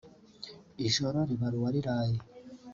Ijoro Ribara Uwariraye